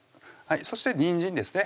そしてにんじんですね